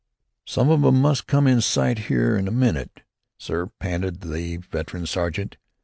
"Some of 'em must come in sight here in a minute, sir," panted the veteran sergeant.